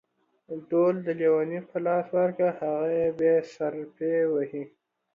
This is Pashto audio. ډول د ليوني په لاس ورکه ، هغه يې بې صرفي وهي.